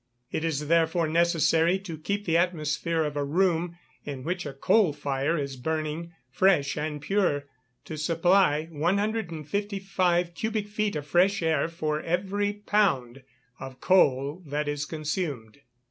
It is therefore necessary to keep the atmosphere of a room, in which a coal fire is burning, fresh and pure, to supply 155 cubic feet of fresh air for every pound of coal that is consumed.